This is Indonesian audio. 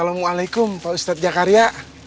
asalamu'alaikum pak ustadz jakaria